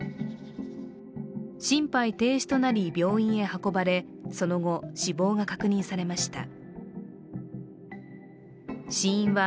心肺停止となり病院へ運ばれその後、死亡が確認されました。